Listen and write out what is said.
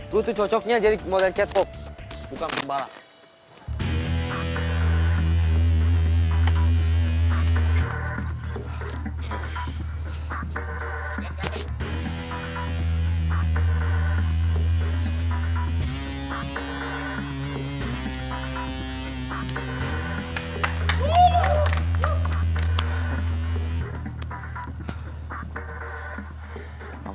lo tuh cocoknya jadi model catwalk bukan pembalap